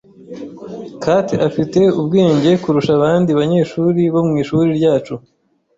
Kate afite ubwenge kurusha abandi banyeshuri bo mu ishuri ryacu.